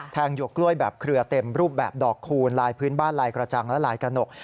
หยวกกล้วยแบบเครือเต็มรูปแบบดอกคูณลายพื้นบ้านลายกระจังและลายกระหนก